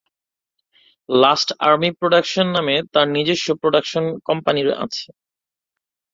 Last army production নামে তার নিজস্ব প্রোডাকশন কোম্পানি আছে।